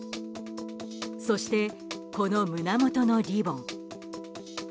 そしてこの胸元のリボン。